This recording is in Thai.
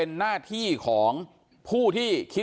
ทนายเกิดผลครับ